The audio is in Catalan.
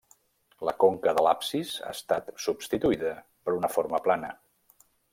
La conca de l'absis ha estat substituïda per una forma plana.